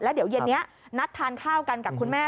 เดี๋ยวเย็นนี้นัดทานข้าวกันกับคุณแม่